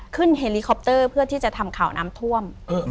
เฮลิคอปเตอร์เพื่อที่จะทำข่าวน้ำท่วม